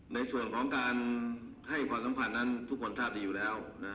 ในส่วนของการให้ความสำคัญนั้นทุกคนทราบดีอยู่แล้วนะ